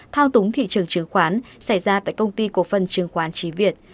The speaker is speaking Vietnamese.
thao túng thị trường chứng khoán xảy ra tại công ty cổ phân chứng khoán chí việt